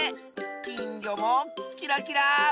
きんぎょもキラキラー！